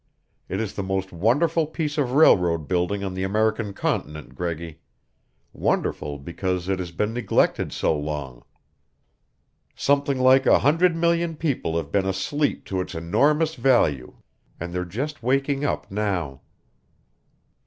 It is the most wonderful piece of railroad building on the American continent, Greggy wonderful because it has been neglected so long. Something like a hundred million people have been asleep to its enormous value, and they're just waking up now.